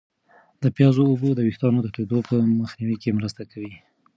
د پیازو اوبه د ویښتانو د توییدو په مخنیوي کې مرسته کوي.